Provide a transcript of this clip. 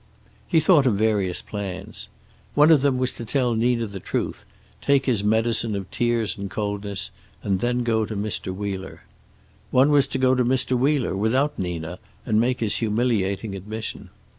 He thought of various plans. One of them was to tell Nina the truth, take his medicine of tears and coldness, and then go to Mr. Wheeler. One was to go to Mr. Wheeler, without Nina, and make his humiliating admission.